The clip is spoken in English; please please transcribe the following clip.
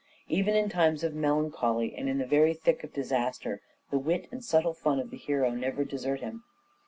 Even in times of melancholy and in the very thick of disaster the wit and subtle fun of the hero never desert him.